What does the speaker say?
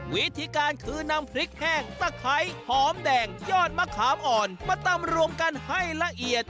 วิธีการคือนำพริกแห้งตะไคร้หอมแดงยอดมะขามอ่อนมาตำรวมกันให้ละเอียด